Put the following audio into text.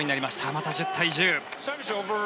また１０対１０。